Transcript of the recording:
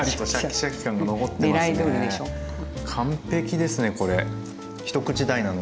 完璧ですねこれ。